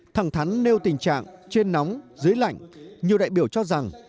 thẳng thắn nêu tình trạng trên nóng dưới lạnh nhiều đại biểu cho rằng